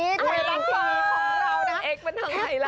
โอ้ยประตูทางทีวีของเรานะ